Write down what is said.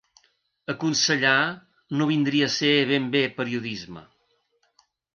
Aconsellar no vindria a ser ben bé periodisme.